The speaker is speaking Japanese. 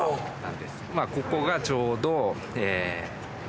ここがちょうど。